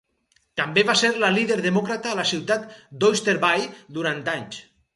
També va ser la líder demòcrata a la ciutat d'Oyster Bay durant anys.